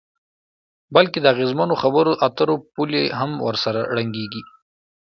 بلکې د اغیزمنو خبرو اترو پولې هم ورسره ړنګیږي.